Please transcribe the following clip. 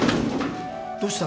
どうした？